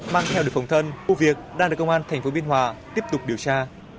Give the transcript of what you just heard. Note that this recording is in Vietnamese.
mang theo được phòng thân ưu việc đang được công an thành phố biên hòa tiếp tục điều tra